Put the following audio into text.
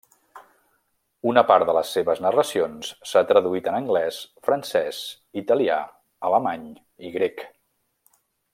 Una part de les seves narracions s'ha traduït en anglès, francès, italià, alemany i grec.